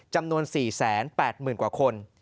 จำนวน๔๘๐๐๐กว่าคน